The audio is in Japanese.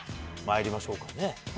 まいりましょうかね。